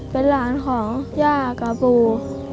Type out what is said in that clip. เป็นหลานของย่ากับปู